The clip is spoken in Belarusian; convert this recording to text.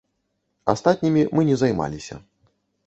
Астатнімі мы не займаліся.